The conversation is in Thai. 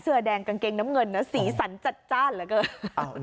เสื้อแดงกางเกงน้ำเงินนะสีสันจัดจ้านเหลือเกิน